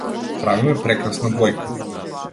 Правиме прекрасна двојка.